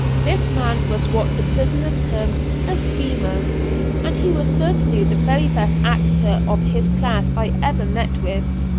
This man was what the prisoners term a "schemer," and he was certainly the very best actor of his class I ever met with.